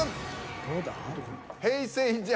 どうだ。